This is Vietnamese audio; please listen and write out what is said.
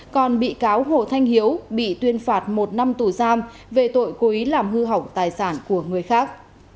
còn bị cáo hồ thanh hiếu bị tuyên phạt một năm tù giam về tội cố ý làm hư hỏng tài sản của người khác